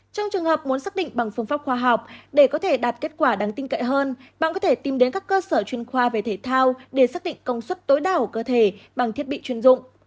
trong trường hợp muốn xác định bằng phương pháp khoa học để có thể đạt kết quả đáng tin cậy hơn bạn có thể tìm đến các cơ sở chuyên khoa về thể thao để xác định công suất tối đa ở cơ thể bằng thiết bị chuyên dụng